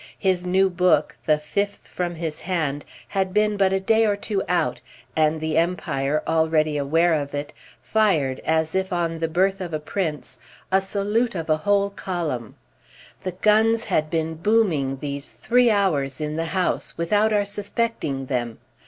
His new book, the fifth from his hand, had been but a day or two out, and The Empire, already aware of it, fired, as if on the birth of a prince, a salute of a whole column. The guns had been booming these three hours in the house without our suspecting them.